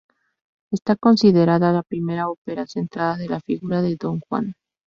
Está considerada la primera ópera centrada en la figura de Don Juan.